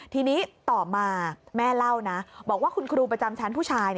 ทีนี้ต่อมาแม่เล่านะบอกว่าคุณครูประจำชั้นผู้ชาย